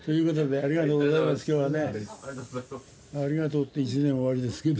「ありがとう」って一年終わりですけど。